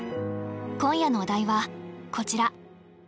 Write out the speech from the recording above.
今夜のお題はこちら。